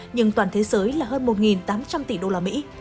nhưng toàn thế giới là hơn một tám trăm linh tỷ đô la mỹ